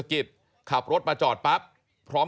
ถ้าเขาถูกจับคุณอย่าลืม